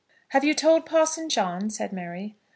"Have you told Parson John?" said Mary.